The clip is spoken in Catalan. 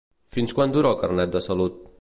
Fins quan dura el Carnet de salut?